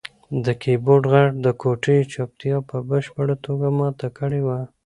د کیبورډ غږ د کوټې چوپتیا په بشپړه توګه ماته کړې وه.